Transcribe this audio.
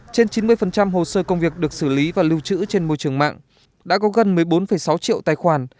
trên chín mươi hồ sơ công việc được xử lý và lưu trữ trên môi trường mạng đã có gần một mươi bốn sáu triệu tài khoản